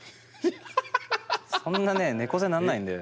そんなね猫背なんないんで。